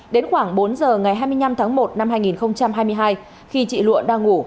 đến khoảng bốn giờ ngày hai mươi năm tháng một năm hai nghìn hai mươi hai khi chị lụa đang ngủ